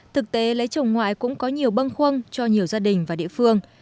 thực tế lấy chồng ngoại cũng có nhiều bâng khuâng cho nhiều gia đình và địa phương